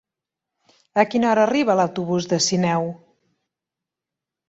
A quina hora arriba l'autobús de Sineu?